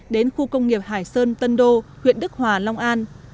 đến khu công nghiệp hải sơn tân đô huyện đức hòa long an